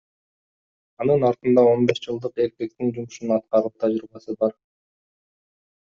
Анын артында он беш жылдык эркектин жумушун аткаруу тажрыйбасы бар.